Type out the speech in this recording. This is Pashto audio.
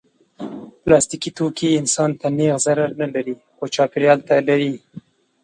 پلاستيکي توکي انسان ته نېغ ضرر نه لري، خو چاپېریال ته لري.